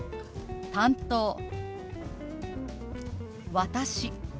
「私」。